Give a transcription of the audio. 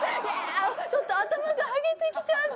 「ちょっと頭がハゲてきちゃった」。